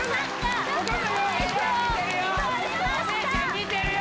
見てるよ・